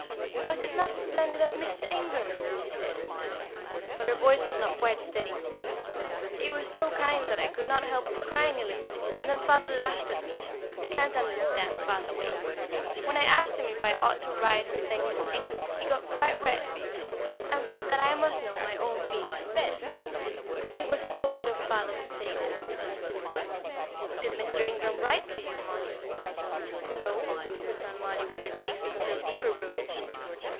"Was it not splendid of Mr. Ingram!" she said; but her voice was not quite steady. "It was so kind that I could not help crying a little, and then father laughed at me. I can't understand father, Wave. When I asked him if I ought to write and thank Mr. Ingram, he got quite red, and said that I must know my own feelings best. It was so odd of father to say that." "Did Mr. Ingram write to you, Mollie?" "No," returned Mollie, with her cheeks a still deeper rose.